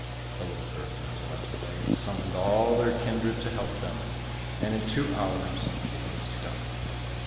The little earth men went away and summoned all their kindred to help them, and in two hours it was done.